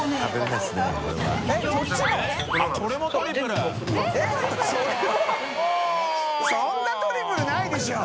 呂繊そんなトリプルないでしょ。